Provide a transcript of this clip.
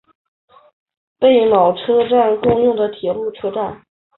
贝冢车站共用的铁路车站。